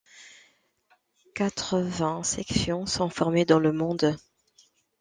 Quatre-vingts sections sont formées dans le monde.